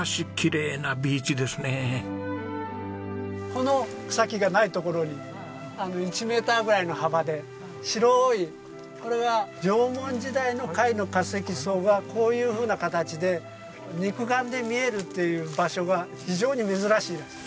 この草木がない所に１メーターぐらいの幅で白いこれは縄文時代の貝の化石層がこういうふうな形で肉眼で見えるっていう場所が非常に珍しいです。